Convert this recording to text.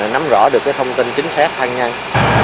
nắm rõ được cái thông tin chính xác thanh nhanh